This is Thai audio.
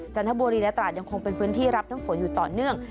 จันทบุรีและตราดยังคงเป็นพื้นที่รับน้ำฝนอยู่ต่อเนื่อง